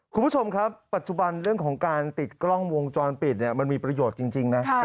คุณผู้ชมครับปัจจุบันเรื่องของการติดกล้องวงจรปิดเนี่ยมันมีประโยชน์จริงนะ